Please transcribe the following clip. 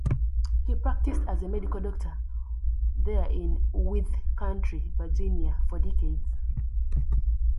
He practiced as a medical doctor there in Wythe County, Virginia, for decades.